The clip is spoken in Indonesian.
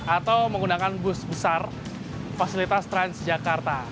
atau menggunakan bus besar fasilitas transjakarta